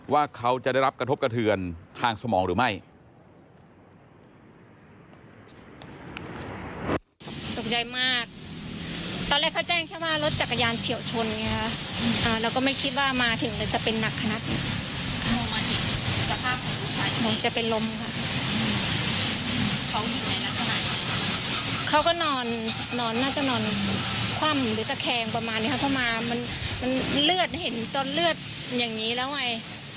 ว่าเขาจะได้รับกระทบกระเทือนทางสมองหรือไม่